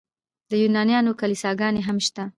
د یونانیانو کلیساګانې هم شته.